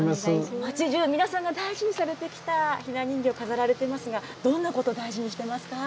町じゅう、皆さんが大事にされてきたひな人形、飾られてますが、どんなこと大事にしてますか？